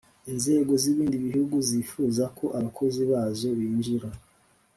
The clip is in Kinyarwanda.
Inzego z ibindi bihugu zifuza ko abakozi bazo binjira